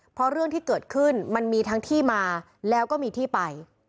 เพราะเรื่องที่เกิดขึ้นมันมีทั้งที่มาแล้วก็มีที่ไป